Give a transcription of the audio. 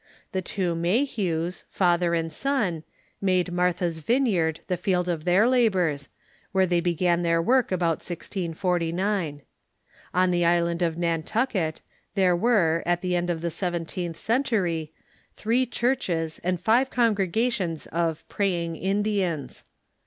The two Mayhews, father and son, made Martha's Vine yard the field of their labors, where they began their work about 1649. On the island of Nantucket there were, at the end of the seventeenth century, three churches and five con gregations of " praying Indians."